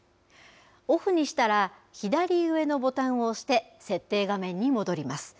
オフにしたら、左上のボタンを押して、設定画面に戻ります。